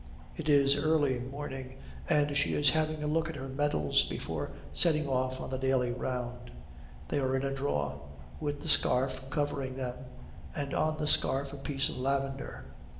It is early morning, and she is having a look at her medals before setting off on the daily round. They are in a drawer, with the scarf covering them, and on the scarf a piece of lavender.